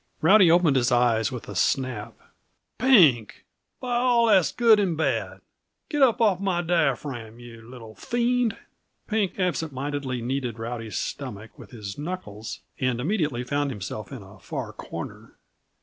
Rowdy opened his eyes with a snap. "Pink! by all that's good and bad! Get up off my diaphragm, you little fiend." Pink absent mindedly kneaded Rowdy's stomach with his knuckles, and immediately found himself in a far corner.